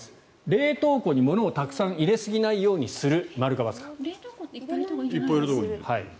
冷凍庫に物をたくさん入れすぎないようにする。